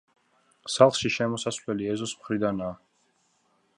სახლში შესასვლელი ეზოს მხრიდანაა.